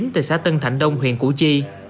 tại xã tân thạnh đông huyện củ chi